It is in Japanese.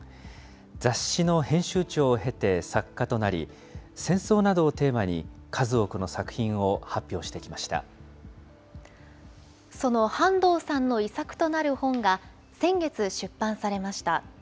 雑誌の編集長を経て、作家となり、戦争などをテーマに、数多くの作その半藤さんの遺作となる本が、先月出版されました。